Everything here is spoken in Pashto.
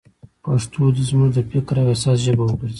پښتو دې زموږ د فکر او احساس ژبه وګرځي.